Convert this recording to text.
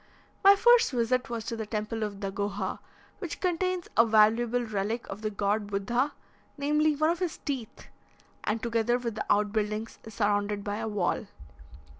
My first visit was to the temple of Dagoha, which contains a valuable relic of the god Buddha, namely, one of his teeth, and, together with the out buildings, is surrounded by a wall.